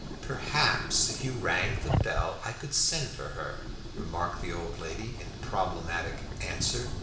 "Perhaps if you rang the bell I could send for her," remarked the old lady in problematic answer.